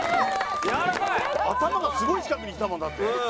頭がすごい近くにきたもんだって。